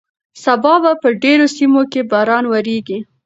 سبا به په ډېرو سیمو کې باران وورېږي.